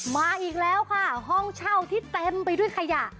มาอีกแล้วค่ะห้องเช่าที่เต็มไปด้วยขยะ